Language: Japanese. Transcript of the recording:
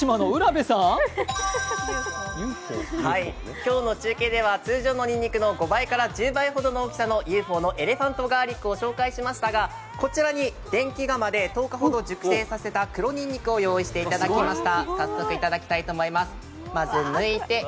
今日の中継では通常のにんにくの５倍から１０倍ほどのにんにくを入れたＵＦＯのエレファントガーリックを紹介しましたが、こちらに電気釜で１０日ほど熟成させた黒にんにくを用意していただきました。